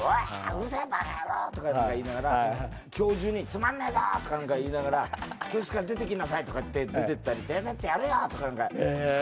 うるせぇバカ野郎！とか言いながら教授につまんねぇぞ！とか言いながら教室から出てきなさい！とかって出てったり出てってやるよ！とかなんか。